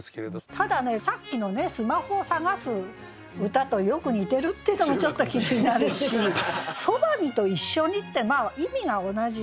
ただねさっきのスマホを探す歌とよく似てるっていうのがちょっと気になるし「傍に」と「一緒に」って意味が同じ。